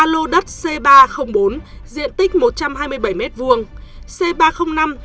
ba lô đất c ba trăm linh bốn diện tích một trăm hai mươi bảy m hai